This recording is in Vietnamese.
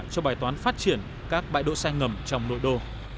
cho bài toán phát triển các bãi đỗ xe ngầm trong nội đô